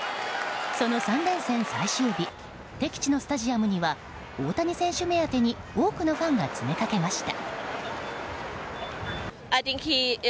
その３連戦最終日敵地のスタジアムには大谷選手目当てに多くのファンが詰めかけました。